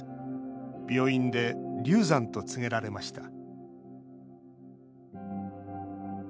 病院で流産と告げられました